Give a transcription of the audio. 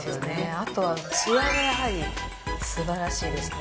あとはツヤがやはりすばらしいですね。